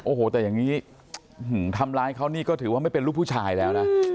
โอ้โหแต่อย่างนี้ทำร้ายเขานี่ก็ถือว่าไม่เป็นลูกผู้ชายแล้วนะ